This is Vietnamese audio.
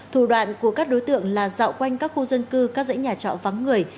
thủ đoạn của các đối tượng là dạo quanh các khu dân cư các dãy nhà trọ vắng người